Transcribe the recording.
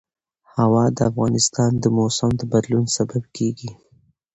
هوا د افغانستان د موسم د بدلون سبب کېږي.